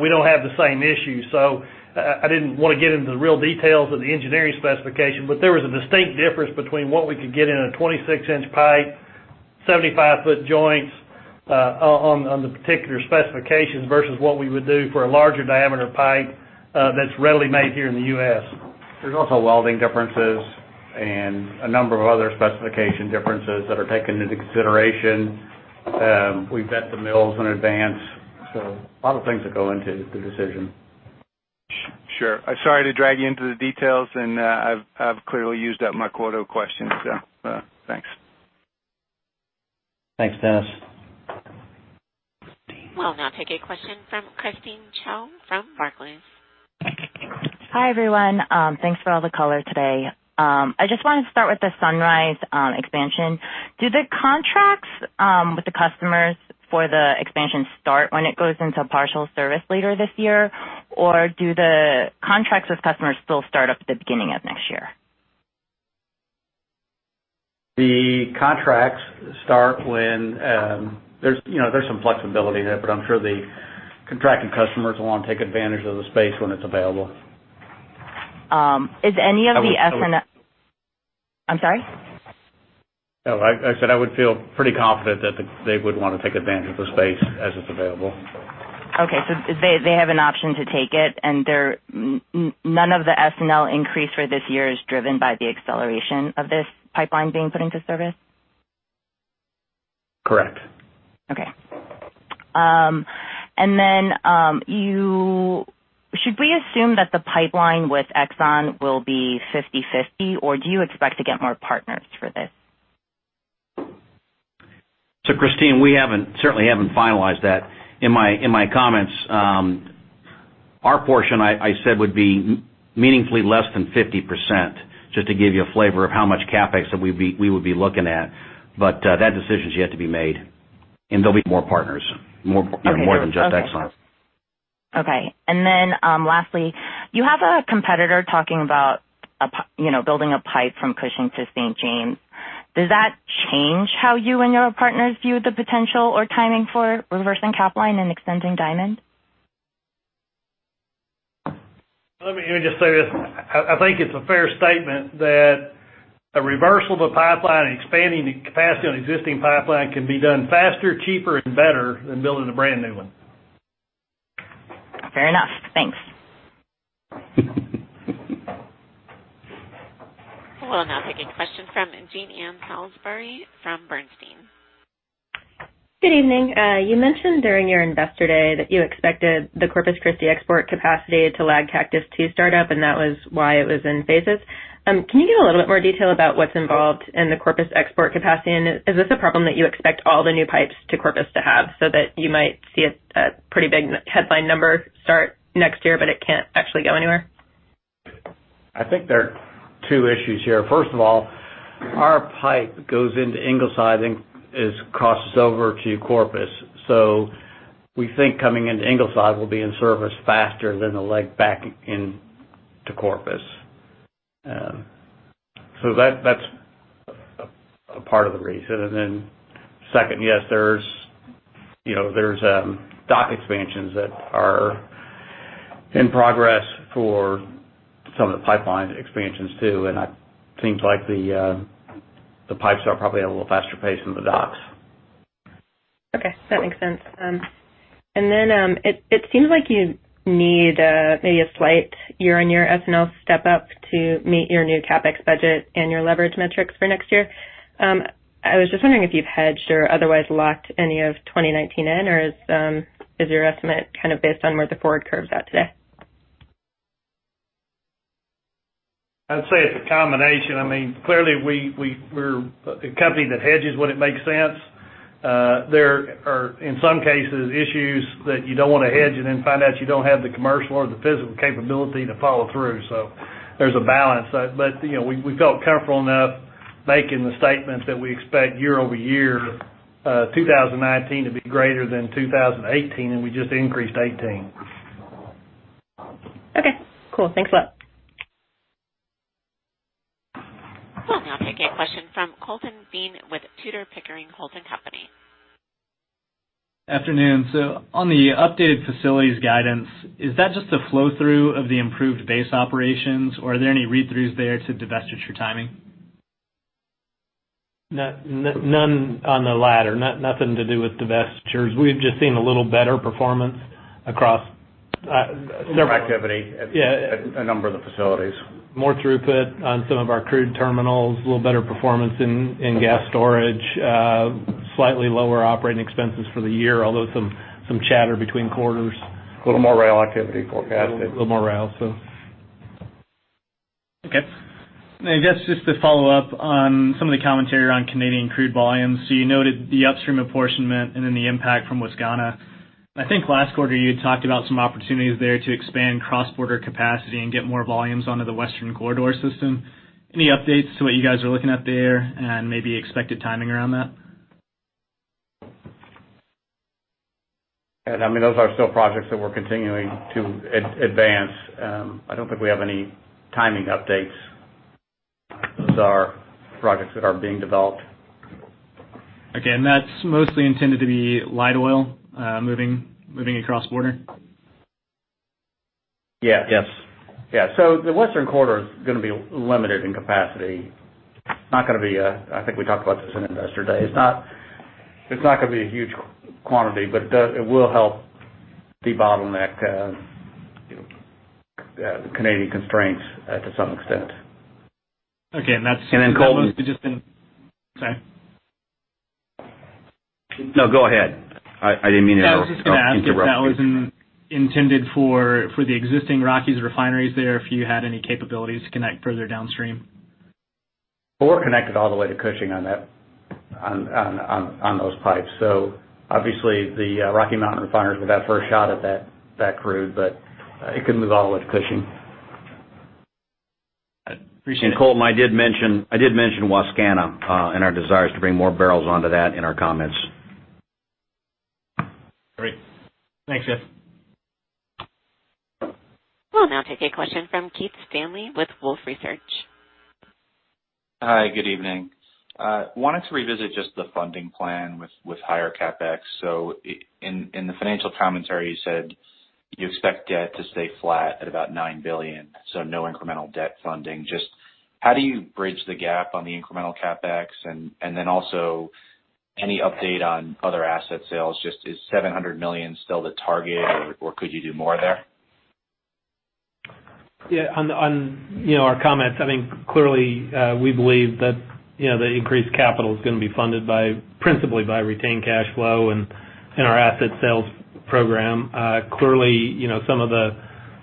we don't have the same issue. I didn't want to get into the real details of the engineering specification, but there was a distinct difference between what we could get in a 26-inch pipe, 75-foot joints on the particular specifications versus what we would do for a larger diameter pipe that's readily made here in the U.S. There's also welding differences and a number of other specification differences that are taken into consideration. We vet the mills in advance. A lot of things that go into the decision. Sure. Sorry to drag you into the details. I've clearly used up my quota of questions. Thanks. Thanks, Dennis. We'll now take a question from Christine Cho from Barclays. Hi, everyone. Thanks for all the color today. I just wanted to start with the Sunrise expansion. Do the contracts with the customers for the expansion start when it goes into partial service later this year, or do the contracts with customers still start up at the beginning of next year? The contracts start when there's some flexibility there, but I'm sure the contracting customers will want to take advantage of the space when it's available. Is any of the I'm sorry? No, I said I would feel pretty confident that they would want to take advantage of the space as it's available. Okay. They have an option to take it, and none of the S&L increase for this year is driven by the acceleration of this pipeline being put into service? Correct. Okay. Should we assume that the pipeline with Exxon will be 50/50, or do you expect to get more partners for this? Christine, we certainly haven't finalized that. In my comments, our portion I said would be meaningfully less than 50%, just to give you a flavor of how much CapEx that we would be looking at. That decision is yet to be made, and there'll be more partners. More than just Exxon. Lastly, you have a competitor talking about building a pipe from Cushing to St. James. Does that change how you and your partners view the potential or timing for reversing Capline and extending Diamond? Let me just say this. I think it's a fair statement that a reversal of a pipeline and expanding the capacity on existing pipeline can be done faster, cheaper, and better than building a brand new one. Fair enough. Thanks. We'll now take a question from Jean Ann Salisbury from Bernstein. Good evening. You mentioned during your investor day that you expected the Corpus Christi export capacity to lag Cactus II startup. That was why it was in phases. Can you give a little bit more detail about what's involved in the Corpus export capacity? Is this a problem that you expect all the new pipes to Corpus to have, so that you might see a pretty big headline number start next year, but it can't actually go anywhere? I think there are two issues here. First of all, our pipe goes into Ingleside and crosses over to Corpus. We think coming into Ingleside will be in service faster than the leg back into Corpus. That's a part of the reason. Then second, yes, there's dock expansions that are in progress for some of the pipeline expansions too. It seems like the pipes are probably at a little faster pace than the docks. Okay. That makes sense. Then, it seems like you need maybe a slight year-on-year S&L step up to meet your new CapEx budget and your leverage metrics for next year. I was just wondering if you've hedged or otherwise locked any of 2019 in, or is your estimate kind of based on where the forward curve's at today? I'd say it's a combination. Clearly, we're a company that hedges when it makes sense. There are, in some cases, issues that you don't want to hedge and then find out you don't have the commercial or the physical capability to follow through. There's a balance. We felt comfortable enough making the statements that we expect year-over-year 2019 to be greater than 2018. We just increased 2018. Okay, cool. Thanks a lot. We'll now take a question from Colton Bean with Tudor, Pickering, Holt & Co.. Afternoon. On the updated facilities guidance, is that just a flow-through of the improved base operations, or are there any read-throughs there to divestiture timing? None on the latter. Nothing to do with divestitures. We've just seen a little better performance across. More activity. Yeah at a number of the facilities. More throughput on some of our crude terminals, a little better performance in gas storage. Slightly lower operating expenses for the year, although some chatter between quarters. A little more rail activity forecasted. A little more rail. Okay. I guess just to follow up on some of the commentary around Canadian crude volumes. You noted the upstream apportionment and then the impact from Wascana. I think last quarter you had talked about some opportunities there to expand cross-border capacity and get more volumes onto the Western Corridor system. Any updates to what you guys are looking at there and maybe expected timing around that? Those are still projects that we're continuing to advance. I don't think we have any timing updates. Those are projects that are being developed. Okay. That's mostly intended to be light oil, moving across border? Yes. The Western Corridor is going to be limited in capacity. I think we talked about this in investor day. It's not going to be a huge quantity, but it will help debottleneck the Canadian constraints to some extent. Okay. That's. Colton. Sorry. No, go ahead. I didn't mean to interrupt you. I was just going to ask if that was intended for the existing Rockies refineries there, if you had any capabilities to connect further downstream. We're connected all the way to Cushing on those pipes. Obviously the Rocky Mountain refiners will have first shot at that crude, but it can move all the way to Cushing. Appreciate it. Colton, I did mention Wascana, and our desires to bring more barrels onto that in our comments. Great. Thanks, guys. We'll now take a question from Keith Stanley with Wolfe Research. Hi, good evening. Wanted to revisit just the funding plan with higher CapEx. In the financial commentary, you said you expect debt to stay flat at about $9 billion, no incremental debt funding. How do you bridge the gap on the incremental CapEx, and then also any update on other asset sales, is $700 million still the target or could you do more there? Yeah, on our comments, I think clearly, we believe that the increased capital is going to be funded principally by retained cash flow and our asset sales program. Clearly, some of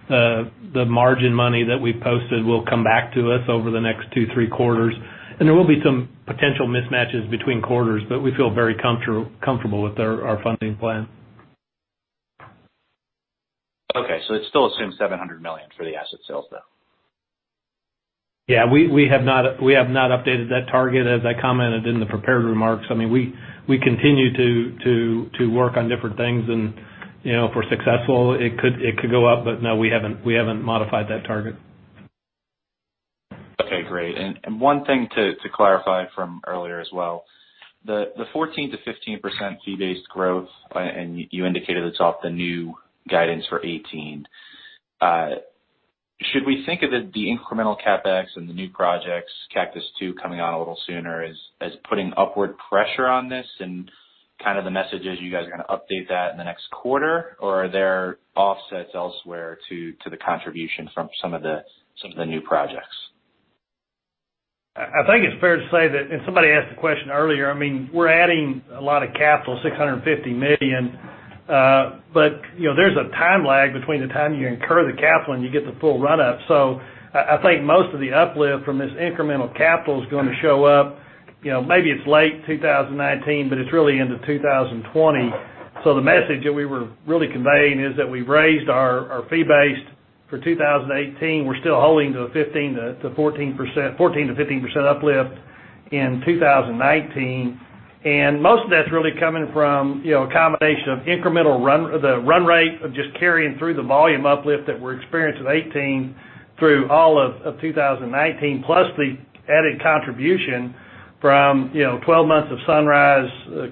the margin money that we've posted will come back to us over the next two, three quarters. There will be some potential mismatches between quarters, we feel very comfortable with our funding plan. Okay. It still assumes $700 million for the asset sales though? Yeah, we have not updated that target. As I commented in the prepared remarks, we continue to work on different things and, if we're successful, it could go up, but no, we haven't modified that target. Great. One thing to clarify from earlier as well, the 14%-15% fee-based growth, and you indicated it's off the new guidance for 2018. Should we think of it, the incremental CapEx and the new projects, Cactus II coming on a little sooner, as putting upward pressure on this and the message is you guys are going to update that in the next quarter? Are there offsets elsewhere to the contribution from some of the new projects? I think it's fair to say that, and somebody asked the question earlier, we're adding a lot of capital, $650 million. There's a time lag between the time you incur the capital and you get the full run up. I think most of the uplift from this incremental capital is going to show up, maybe it's late 2019, but it's really into 2020. The message that we were really conveying is that we've raised our fee-based for 2018. We're still holding to the 14%-15% uplift in 2019. Most of that's really coming from a combination of incremental run rate of just carrying through the volume uplift that we're experienced in 2018 through all of 2019. Plus the added contribution from 12 months of Sunrise,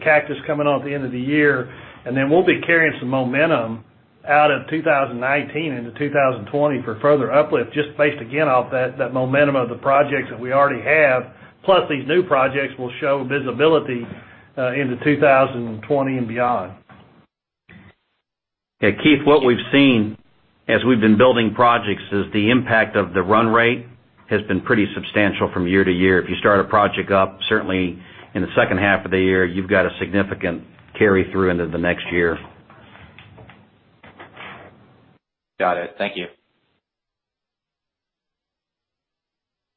Cactus coming on at the end of the year. We'll be carrying some momentum out of 2019 into 2020 for further uplift, just based again off that momentum of the projects that we already have. Plus these new projects will show visibility into 2020 and beyond. Keith, what we've seen as we've been building projects is the impact of the run rate has been pretty substantial from year to year. If you start a project up, certainly in the second half of the year, you've got a significant carry through into the next year. Got it. Thank you.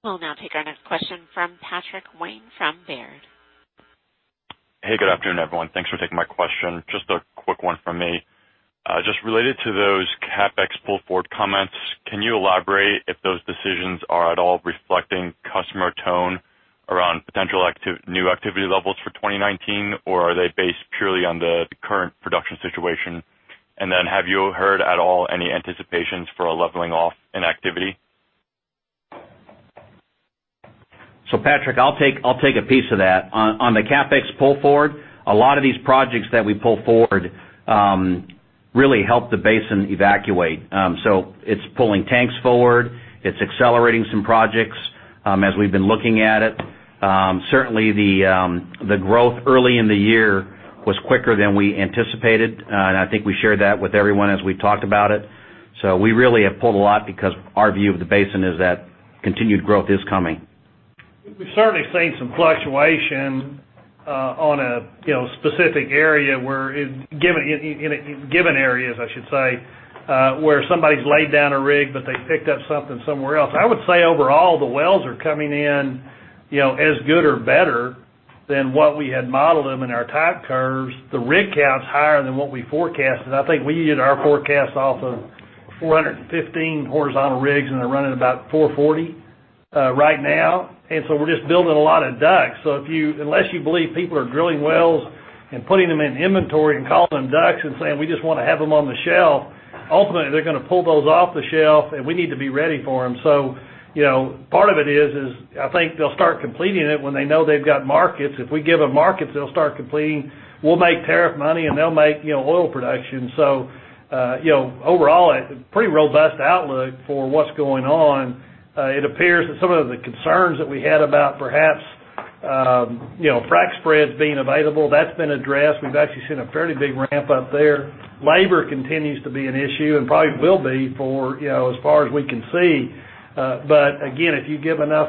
We'll now take our next question from Patrick Wang from Baird. Hey, good afternoon, everyone. Thanks for taking my question. Just a quick one from me. Just related to those CapEx pull forward comments, can you elaborate if those decisions are at all reflecting customer tone around potential new activity levels for 2019, or are they based purely on the current production situation? Have you heard at all any anticipations for a leveling off in activity? Patrick, I'll take a piece of that. On the CapEx pull forward, a lot of these projects that we pull forward really help the basin evacuate. It's pulling tanks forward. It's accelerating some projects as we've been looking at it. Certainly, the growth early in the year was quicker than we anticipated. I think we shared that with everyone as we talked about it. We really have pulled a lot because our view of the basin is that continued growth is coming. We've certainly seen some fluctuation on a specific area. In given areas, I should say, where somebody's laid down a rig, but they picked up something somewhere else. I would say overall, the wells are coming in as good or better than what we had modeled them in our type curves. The rig count's higher than what we forecasted. I think we did our forecast off of 415 horizontal rigs, and they're running about 440 right now. We're just building a lot of DUCs. Unless you believe people are drilling wells and putting them in inventory and calling them DUCs and saying, "We just want to have them on the shelf," ultimately, they're going to pull those off the shelf, and we need to be ready for them. Part of it is, I think they'll start completing it when they know they've got markets. If we give them markets, they'll start completing. We'll make tariff money, and they'll make oil production. Overall, a pretty robust outlook for what's going on. It appears that some of the concerns that we had about perhaps frac spreads being available, that's been addressed. We've actually seen a fairly big ramp up there. Labor continues to be an issue and probably will be for as far as we can see. Again, if you give enough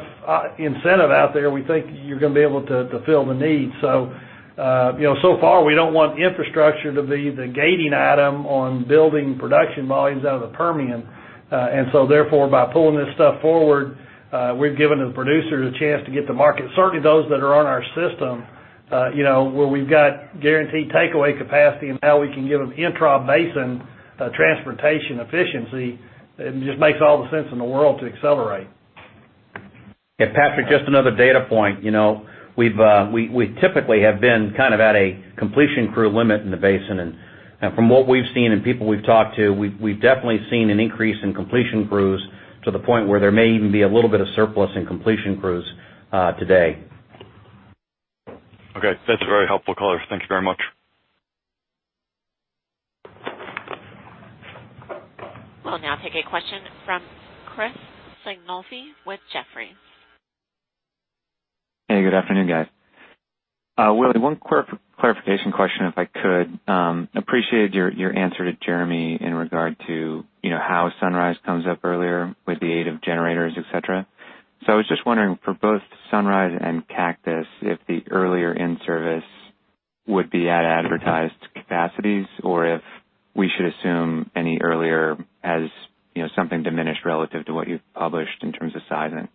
incentive out there, we think you're going to be able to fill the need. So far we don't want infrastructure to be the gating item on building production volumes out of the Permian. By pulling this stuff forward, we've given the producers a chance to get to market. Certainly those that are on our system where we've got guaranteed takeaway capacity and now we can give them intra-basin transportation efficiency, it just makes all the sense in the world to accelerate. Yeah, Patrick, just another data point. We typically have been at a completion crew limit in the basin. From what we've seen and people we've talked to, we've definitely seen an increase in completion crews to the point where there may even be a little bit of surplus in completion crews today. Okay. That's a very helpful color. Thank you very much. We'll now take a question from Chris Sighinolfi with Jefferies. Hey, good afternoon, guys. Willie, one clarification question if I could. Appreciated your answer to Jeremy in regard to how Sunrise comes up earlier with the aid of generators, et cetera. I was just wondering for both Sunrise and Cactus if the earlier in-service would be at advertised capacities or if we should assume any earlier as something diminished relative to what you've published in terms of sizing.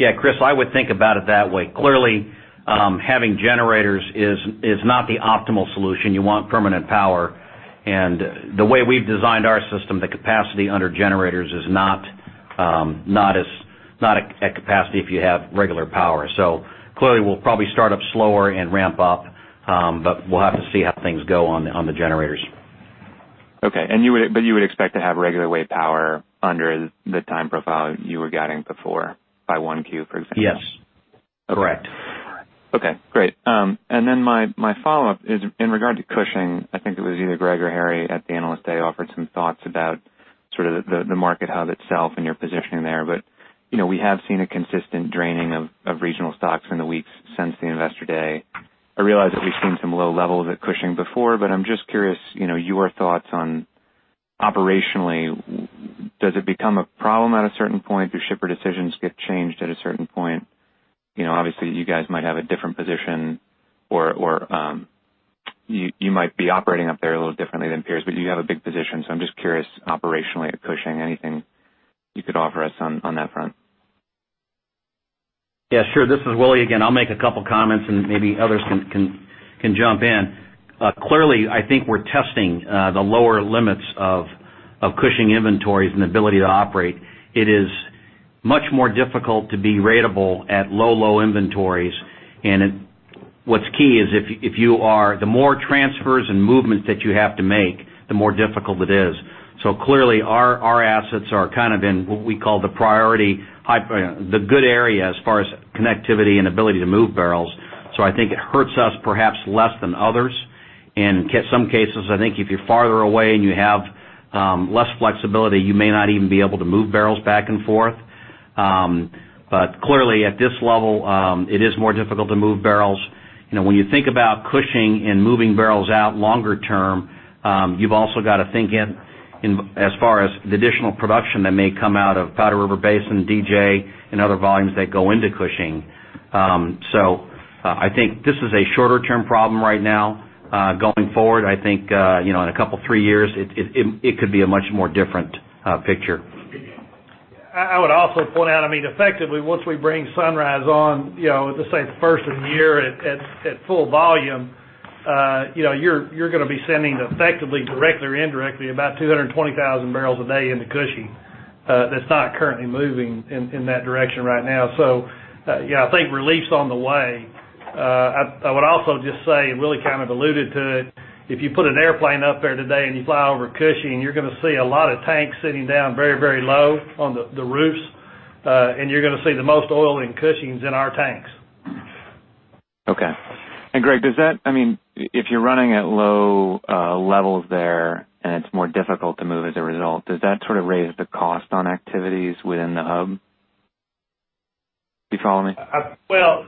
Yeah, Chris, I would think about it that way. Clearly, having generators is not the optimal solution. You want permanent power. The way we've designed our system, the capacity under generators is not at capacity if you have regular power. Clearly we'll probably start up slower and ramp up, but we'll have to see how things go on the generators. Okay. You would expect to have regular way power under the time profile you were guiding before by one Q, for example? Yes. Correct. Okay, great. My follow-up is in regard to Cushing. I think it was either Greg or Harry at the Analyst Day, offered some thoughts about sort of the market hub itself and your positioning there. We have seen a consistent draining of regional stocks in the weeks since the Investor Day. I realize that we've seen some low levels at Cushing before, but I'm just curious, your thoughts on operationally, does it become a problem at a certain point? Do shipper decisions get changed at a certain point? Obviously, you guys might have a different position or you might be operating up there a little differently than peers, but you have a big position. I'm just curious, operationally at Cushing, anything you could offer us on that front? Yeah, sure. This is Willie again. I'll make a couple of comments and maybe others can jump in. Clearly, I think we're testing the lower limits of Cushing inventories and ability to operate. It is much more difficult to be ratable at low inventories. What's key is if you are the more transfers and movements that you have to make, the more difficult it is. Clearly, our assets are kind of in what we call the priority, the good area as far as connectivity and ability to move barrels. I think it hurts us perhaps less than others. In some cases, I think if you're farther away and you have less flexibility, you may not even be able to move barrels back and forth. Clearly at this level, it is more difficult to move barrels. When you think about Cushing and moving barrels out longer term, you've also got to think in as far as the additional production that may come out of Powder River Basin, DJ, and other volumes that go into Cushing. I think this is a shorter-term problem right now. Going forward, I think in a couple three years, it could be a much more different picture. I would also point out, effectively, once we bring Sunrise on, let's say the first of the year at full volume, you're going to be sending effectively, directly or indirectly, about 220,000 barrels a day into Cushing. That's not currently moving in that direction right now. Yeah, I think relief's on the way. I would also just say, Willie kind of alluded to it. If you put an airplane up there today and you fly over Cushing, you're going to see a lot of tanks sitting down very low on the roofs. You're going to see the most oil in Cushing is in our tanks. Okay. Greg, if you're running at low levels there and it's more difficult to move as a result, does that sort of raise the cost on activities within the hub? You follow me? Well,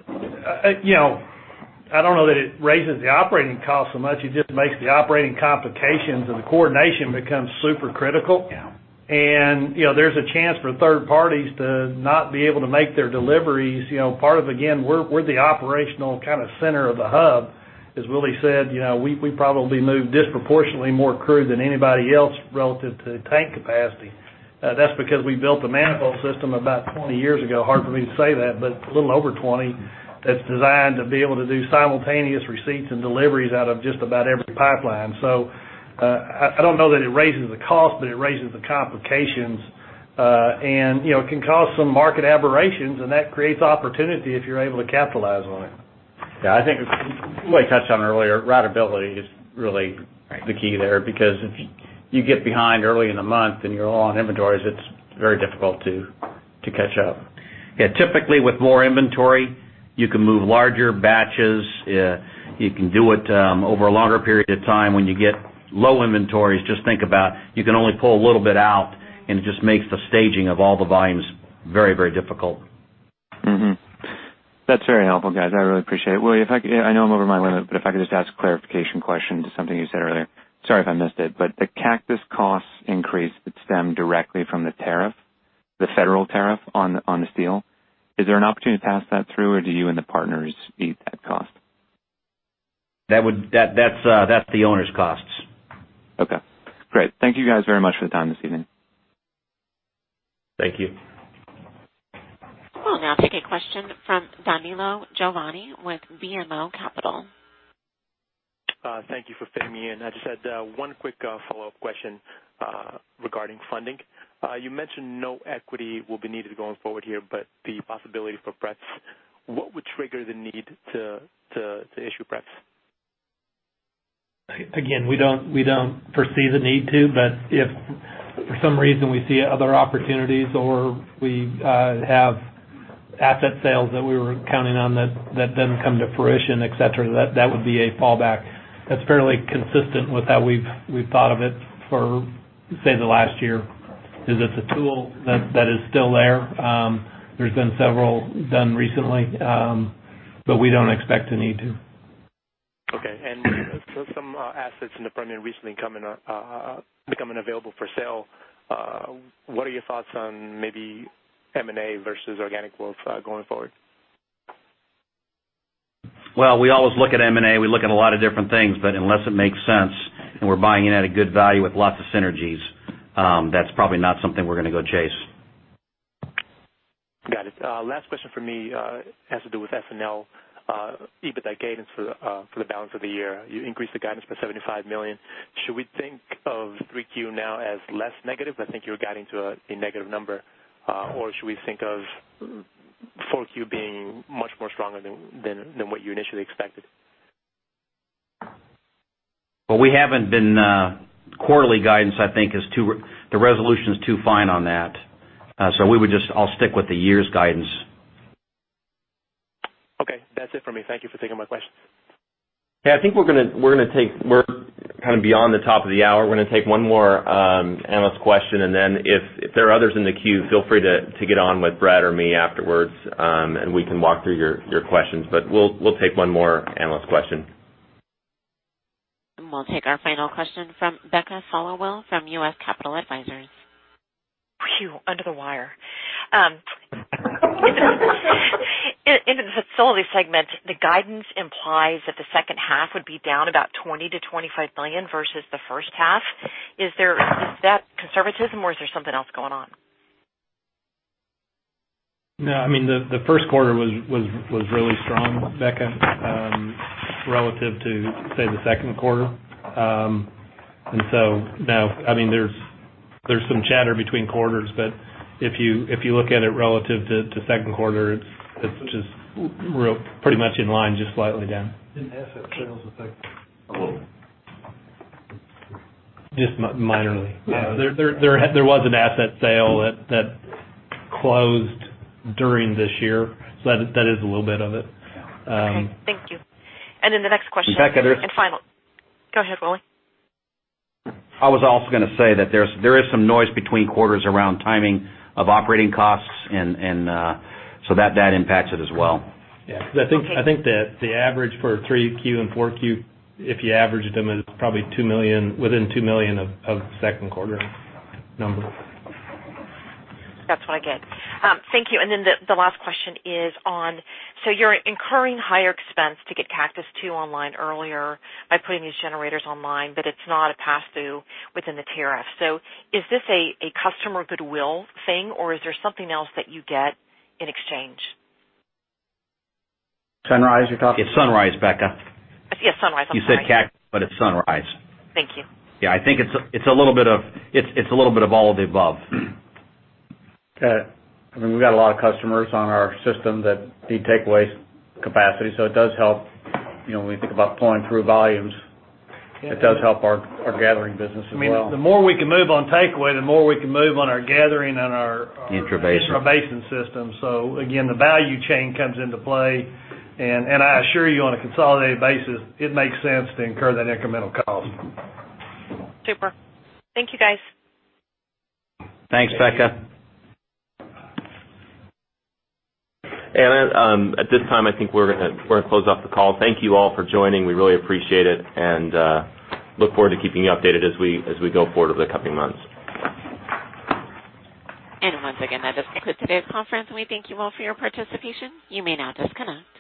I don't know that it raises the operating cost so much. It just makes the operating complications and the coordination become super critical. Yeah. There's a chance for third parties to not be able to make their deliveries. Part of, again, we're the operational kind of center of the hub. As Willie said, we probably move disproportionately more crude than anybody else relative to tank capacity. That's because we built the manifold system about 20 years ago. Hard for me to say that, but a little over 20, that's designed to be able to do simultaneous receipts and deliveries out of just about every pipeline. I don't know that it raises the cost, but it raises the complications. It can cause some market aberrations, and that creates opportunity if you're able to capitalize on it. Yeah, I think Willie touched on it earlier. Ratability is really the key there, because if you get behind early in the month and you're low on inventories, it's very difficult to catch up. Yeah, typically with more inventory, you can move larger batches. You can do it over a longer period of time. When you get low inventories, just think about it. You can only pull a little bit out, and it just makes the staging of all the volumes very difficult. That's very helpful, guys. I really appreciate it. Willie, I know I'm over my limit. If I could just ask a clarification question to something you said earlier. Sorry if I missed it, the Cactus costs increase that stem directly from the tariff, the federal tariff on the steel. Is there an opportunity to pass that through, or do you and the partners eat that cost? That's the owner's costs. Okay, great. Thank you guys very much for the time this evening. Thank you. We'll now take a question from Danilo Juvane with BMO Capital. Thank you for fitting me in. I just had one quick follow-up question regarding funding. You mentioned no equity will be needed going forward here, but the possibility for pref. What would trigger the need to issue pref? Again, we don't foresee the need to. If for some reason we see other opportunities or we have asset sales that we were counting on that doesn't come to fruition, et cetera, that would be a fallback. That's fairly consistent with how we've thought of it for, say, the last year, is it's a tool that is still there. There's been several done recently. We don't expect to need to. Okay. Some assets in the Permian recently becoming available for sale. What are your thoughts on maybe M&A versus organic growth going forward? We always look at M&A. We look at a lot of different things, but unless it makes sense and we're buying in at a good value with lots of synergies, that's probably not something we're going to go chase. Got it. Last question for me has to do with S&L EBITDA guidance for the balance of the year. You increased the guidance by $75 million. Should we think of 3Q now as less negative? I think you were guiding to a negative number. Should we think of 4Q being much more stronger than what you initially expected? We haven't been quarterly guidance, I think, the resolution is too fine on that. I'll stick with the year's guidance. Okay. That's it for me. Thank you for taking my question. I think we're kind of beyond the top of the hour. We're going to take one more analyst question. If there are others in the queue, feel free to get on with Brad or me afterwards, and we can walk through your questions. We'll take one more analyst question. We'll take our final question from Becca Followill from U.S. Capital Advisors. Phew, under the wire. In the facility segment, the guidance implies that the second half would be down about $20 million-$25 million versus the first half. Is that conservatism or is there something else going on? No, the first quarter was really strong, Becca, relative to, say, the second quarter. There's some chatter between quarters. If you look at it relative to second quarter, it's just pretty much in line, just slightly down. Didn't asset sales affect it at all? Just minorly. There was an asset sale that closed during this year. That is a little bit of it. Okay. Thank you. The next question- Becca, there's- Final. Go ahead, Willie. I was also going to say that there is some noise between quarters around timing of operating costs, that impacts it as well. Yeah. I think that the average for 3Q and 4Q, if you averaged them, is probably within $2 million of second quarter numbers. That's what I get. Thank you. The last question is on, you're incurring higher expense to get Cactus II online earlier by putting these generators online, it's not a pass-through within the tariff. Is this a customer goodwill thing, or is there something else that you get in exchange? Sunrise you're talking? It's Sunrise, Becca. Yes, Sunrise. I'm sorry. You said Cactus, but it's Sunrise. Thank you. Yeah, I think it's a little bit of all of the above. I mean, we've got a lot of customers on our system that need takeaway capacity. It does help when we think about flowing through volumes. It does help our gathering business as well. I mean, the more we can move on takeaway, the more we can move on our gathering. Intrabasin intrabasin system. Again, the value chain comes into play. I assure you, on a consolidated basis, it makes sense to incur that incremental cost. Super. Thank you, guys. Thanks, Becca. At this time, I think we're going to close off the call. Thank you all for joining. We really appreciate it, and look forward to keeping you updated as we go forward over the coming months. Once again, that does conclude today's conference, and we thank you all for your participation. You may now disconnect.